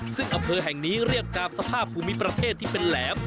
ซึ่งอำเภอแห่งนี้เรียกตามสภาพภูมิประเทศที่เป็นแหลม